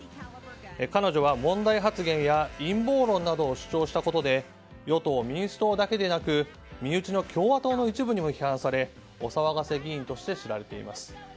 彼女は問題発言や陰謀論などを主張したことで与党・民主党だけでなく身内の共和党の一部にも批判されお騒がせ議員として知られています。